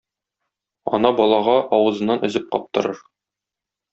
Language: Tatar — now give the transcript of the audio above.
Ана балага авызыннан өзеп каптырыр.